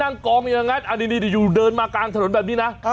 อันนี้อยู่เดินมากลางถนนแบบนี้นะ